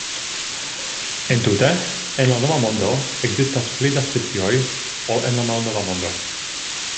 Entute en la Nova Mondo ekzistas pli da specioj ol en la Malnova Mondo.